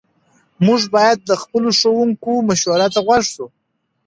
موږ باید د خپلو ښوونکو مشورو ته غوږ سو.